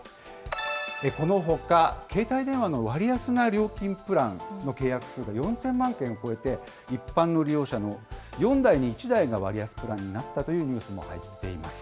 このほか、携帯電話の割安な料金プランの契約数が４０００万件を超えて、一般の利用者の４台に１台が割安プランになったというニュースも入っています。